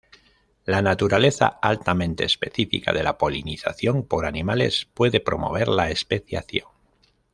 La naturaleza altamente específica de la polinización por animales puede promover la especiación.